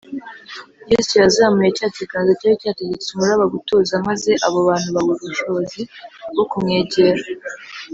yesu yazamuye cya kiganza cyari cyategetse umuraba gutuza, maze abo bantu babura ubushobozi bwo kumwegera